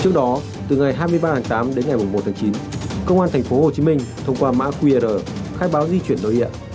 trước đó từ ngày hai mươi ba tám đến ngày một mươi một chín công an tp hcm thông qua mã qr khai báo di chuyển nơi hiện